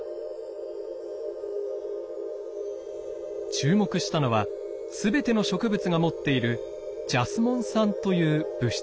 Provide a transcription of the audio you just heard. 注目したのは全ての植物が持っているジャスモン酸という物質です。